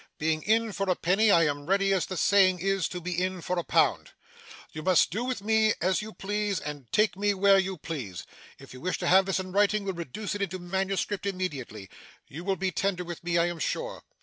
Being in for a penny, I am ready, as the saying is, to be in for a pound. You must do with me what you please, and take me where you please. If you wish to have this in writing, we'll reduce it into manuscript immediately. You will be tender with me, I am sure.